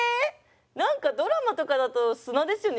何かドラマとかだと砂ですよね？